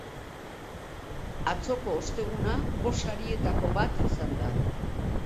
Atzoko, osteguna, bost sarietako bat izan da.